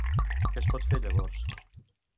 Què es pot fer llavors?